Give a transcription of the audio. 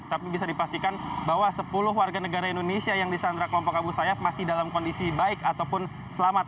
tapi bisa dipastikan bahwa sepuluh warga negara indonesia yang disandra kelompok abu sayyaf masih dalam kondisi baik ataupun selamat